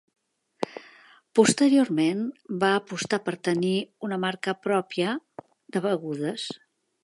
Posteriorment va apostar per tenir una marca pròpia de begudes.